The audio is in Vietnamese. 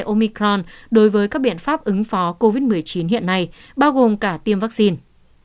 omicron đối với các biện pháp ứng phó covid một mươi chín hiện nay bao gồm cả tiêm vaccine